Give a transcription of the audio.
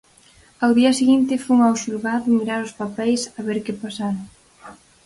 Ao día seguinte fun ao xulgado mirar os papeis a ver que pasara.